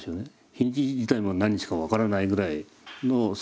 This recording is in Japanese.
日にち自体も何日か分からないぐらいの生活ですから。